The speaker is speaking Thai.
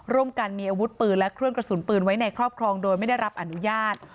ร่วมกันมีอาวุธปืนและเครื่องกระสุนปืนไว้ในครอบครองโดยไม่ได้รับอนุญาต